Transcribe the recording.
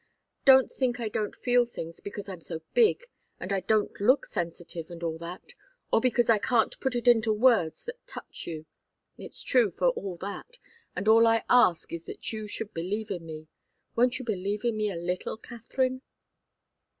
Don't think I don't feel things because I'm so big, and I don't look sensitive, and all that or because I can't put it into words that touch you. It's true, for all that, and all I ask is that you should believe me. Won't you believe me a little, Katharine?"